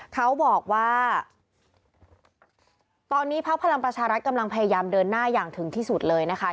เขาบอกว่าตอนนี้พักพลังประชารัฐกำลังพยายามเดินหน้าอย่างถึงที่สุดเลยนะคะ